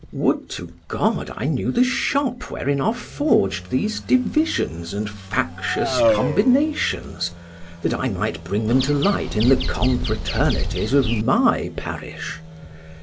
Would to God I knew the shop wherein are forged these divisions and factious combinations, that I might bring them to light in the confraternities of my parish!